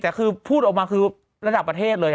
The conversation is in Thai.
แต่คือพูดออกมาคือระดับประเทศเลย